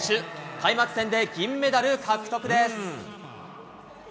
開幕戦で銀メダル獲得です。